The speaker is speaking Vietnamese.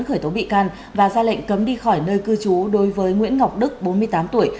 khởi tố bị can và ra lệnh cấm đi khỏi nơi cư trú đối với nguyễn ngọc đức bốn mươi tám tuổi